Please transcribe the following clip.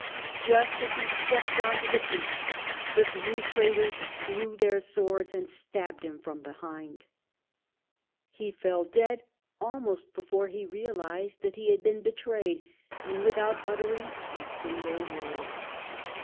Just as he stepped on to the beach, the three ti'aitors drew their swords and stabbed him from behind. He fell dead almost before he realised that he had been betrayed, and without uttering a single word.